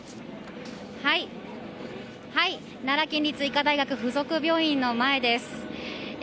奈良県立医科大学附属病院の前です。